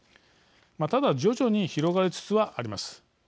ただ徐々に広がりつつはあります。